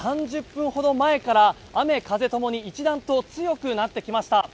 ３０分ほど前から雨、風ともに一段と強くなってきました。